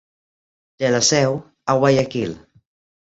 Té la seu a Guayaquil.